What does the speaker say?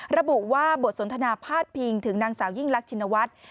ระบุว่าบทสนทนาพาดพิงถึงนางสาวยิ่งรักชินวัฒน์